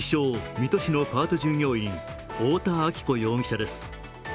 ・水戸市のパート従業員太田亜紀子容疑者です。